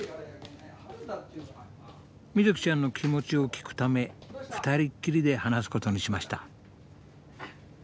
みずきちゃんの気持ちを聞くため２人きりで話すことにしました。